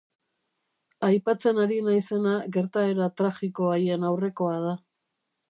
Aipatzen ari naizena gertaera tragiko haien aurrekoa da.